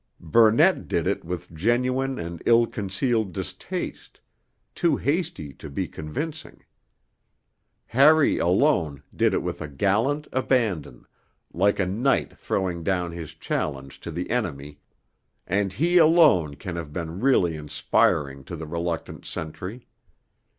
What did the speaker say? Burnett did it with genuine and ill concealed distaste, too hasty to be convincing. Harry, alone, did it with a gallant abandon, like a knight throwing down his challenge to the enemy; and he alone can have been really inspiring to the reluctant sentry.